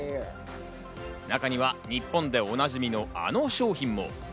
中には日本でおなじみのあの商品も。